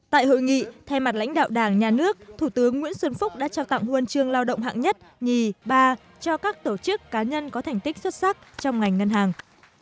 tại hội nghị thay mặt lãnh đạo đảng nhà nước thủ tướng nguyễn xuân phúc đã trao tặng huân chương lao động hạng nhất nhì ba cho các tổ chức cá nhân có thành tích xuất sắc trong ngành ngân hàng